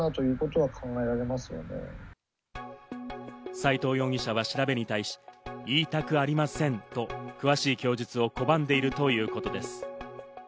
斎藤容疑者は調べに対し、言いたくありませんと詳しい供述を拒んでいるということです。